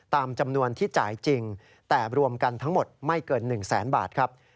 ตามจำนวนที่จ่ายจริงแต่รวมกันทั้งหมดไม่เกิน๑แสนบาทครับ